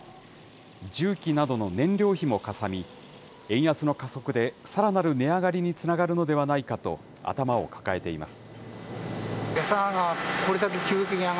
重機などの燃料費もかさみ、円安の加速でさらなる値上がりにつながるのではないかと、頭を抱えています。